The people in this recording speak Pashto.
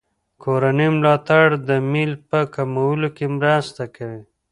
کورني ملاتړ د میل په کمولو کې مرسته کوي.